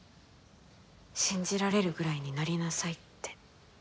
信じられるぐらいになりなさいって。